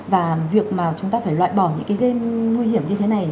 và việc mà chúng ta phải loại bỏ những cái nguy hiểm như thế này